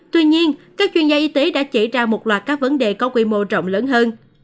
tuy nhiên các chuyên gia y tế đã chỉ ra một loạt các vấn đề có quy mô rộng lớn hơn